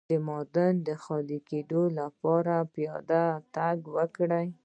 د معدې د خالي کیدو لپاره پیاده تګ وکړئ